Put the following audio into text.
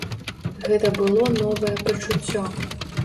Гэта было новае пачуццё.